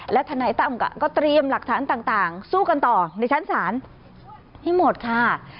และทนายตั้มก็เตรียมหลักฐานต่างสู้กันต่อในชั้นศาลให้หมดค่ะ